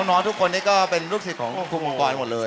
น้องทุกคนนี้ก็เป็นลูกศิษย์ของคุณมังปอยหมดเลย